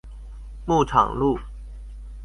牧場路